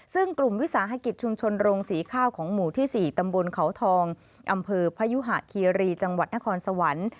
ซึ่งกลุ่มวิสาหกิจชุมชนโรงศรีข้าวของหมู่ที่๔ตำบลเขาทองอำเภอพยุหะคีรีจังหวัดนครสวรรค์